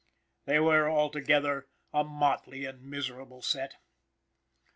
They were, altogether, a motley and miserable set.